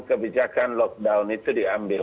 kebijakan lockdown itu diambil